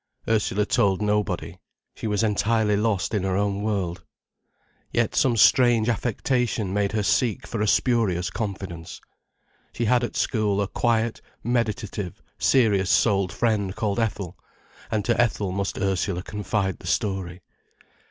Ursula told nobody; she was entirely lost in her own world. Yet some strange affectation made her seek for a spurious confidence. She had at school a quiet, meditative, serious souled friend called Ethel, and to Ethel must Ursula confide the story.